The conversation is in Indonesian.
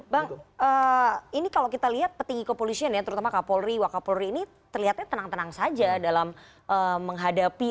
bang ini kalau kita lihat petinggi kepolisian ya terutama kapolri wakapolri ini terlihatnya tenang tenang saja dalam menghadapi